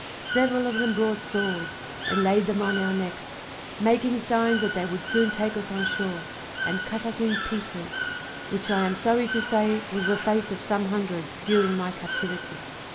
Several of them brought swords, and laid them on our necks, making signs that they would soon take us on shore, and cut us in pieces, which I am sorry to say was the fate of some hundreds during my captivity.